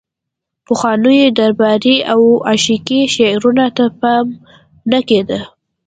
پخوانیو درباري او عشقي شعرونو ته پام نه کیده